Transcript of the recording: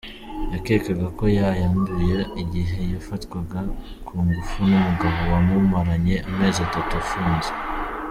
Yakekaga ko yayanduye igihe yafatwaga ku ngufu n’umugabo wamumaranye amezi atatu amufunze.